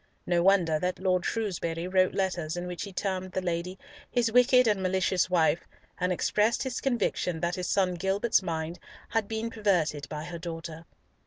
No wonder that Lord Shrewsbury wrote letters in which he termed the lady "his wicked and malicious wife," and expressed his conviction that his son Gilbert's mind had been perverted by her daughter.